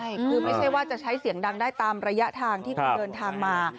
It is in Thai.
ใช่คือไม่ใช่ว่าจะใช้เสียงดังได้ตามระยะทางที่คุณเดินทางมา